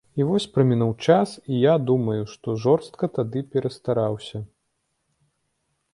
А вось прамінуў час, і я думаю, што жорстка тады перастараўся.